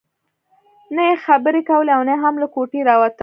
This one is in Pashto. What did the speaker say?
نه يې خبرې کولې او نه هم له کوټې راوته.